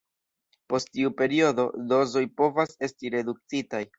Post tiu periodo, dozoj povas esti reduktitaj.